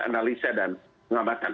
analisa dan pengamatan